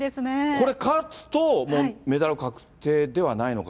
これ勝つと、もうメダル確定、ではないのか？